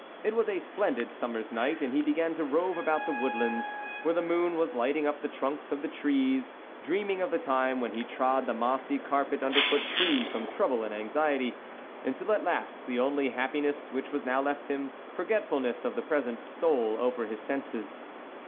It was a splendid summer's night, and he began to rove about the woodlands, where the moon was lighting up the trunks of the trees, dream ing of the time when he trod the mossy carpet underfoot free from trouble and anxiety, until at last the only happiness which was now left him, forgetfulness of the present, stole over his senses.